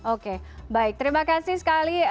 oke baik terima kasih sekali